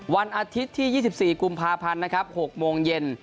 วันอาทิตย์ที่๒๔กุมภาพันธ์นะครับ๖โมงเย็น